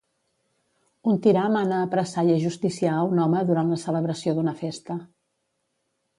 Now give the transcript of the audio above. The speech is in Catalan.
Un tirà mana apressar i ajusticiar a un home durant la celebració d'una festa.